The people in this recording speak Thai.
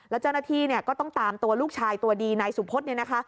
แล้วเจ้าหน้าที่ก็ต้องตามตัวลูกชายตัวดีนายสุพธ